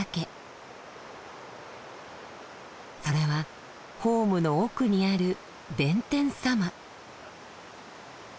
それはホームの奥にある弁天様。